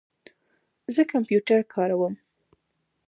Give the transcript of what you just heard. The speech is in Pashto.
زه کمپیوټر کاروم